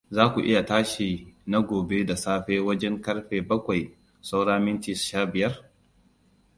Za ku iya tashi na gobe da safe wajen ƙarfe bakwai saura minti shabiyar?